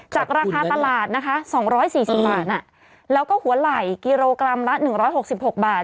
จากราคาตลาดนะคะ๒๔๐บาทแล้วก็หัวไหล่กิโลกรัมละ๑๖๖บาท